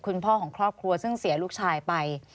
คุณพ่อของครอบครัวซึ่งเสียลูกชายไป